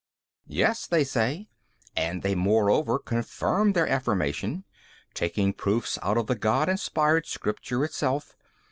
B. Yes (they say), and they moreover confirm their affirmation, taking proofs out of the God inspired Scripture itself.